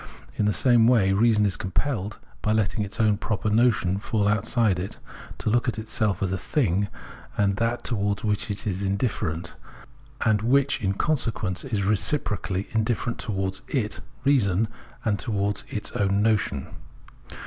In the same way reason is compelled, by letting its own proper notion fall outside it, to look at itself as a thing, as that towards which it is indifferent, and which in consequence is reciprocally indifferent towards it [reason] and towards its own notion.